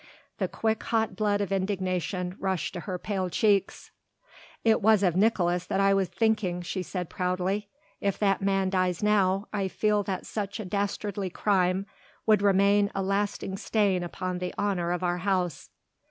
The quick hot blood of indignation rushed to her pale cheeks. "It was of Nicolaes that I was thinking," she said proudly, "if that man dies now, I feel that such a dastardly crime would remain a lasting stain upon the honour of our house."